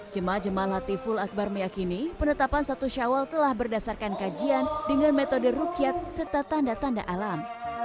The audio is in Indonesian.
jemaah jemaah latiful akbar meyakini penetapan satu syawal telah berdasarkan kajian dengan metode rukyat serta tanda tanda alam